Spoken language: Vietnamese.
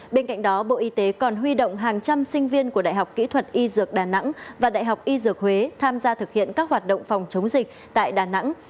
bên cạnh đó bộ y tế còn huy động hàng trăm sinh viên của đại học kỹ thuật y dược đà nẵng và đại học y dược huế tham gia thực hiện các hoạt động phòng chống dịch tại đà nẵng